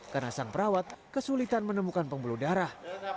karena sang perawat kesulitan menemukan pembuluh darah